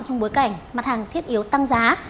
trong bối cảnh mặt hàng thiết yếu tăng giá